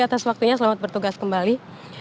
atas waktunya selamat bertugas kembali